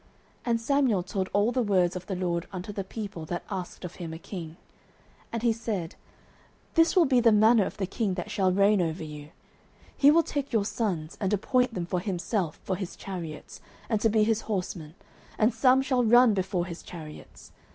09:008:010 And Samuel told all the words of the LORD unto the people that asked of him a king. 09:008:011 And he said, This will be the manner of the king that shall reign over you: He will take your sons, and appoint them for himself, for his chariots, and to be his horsemen; and some shall run before his chariots.